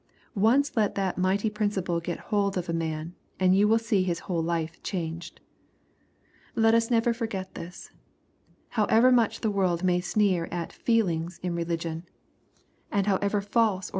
Once let that mighty principle get hold of a man, and you will see his whole life changed. Let us never forget this. However much the world maj sneer at '^ feelings" in religion, and however false oi hUKEy CHAP.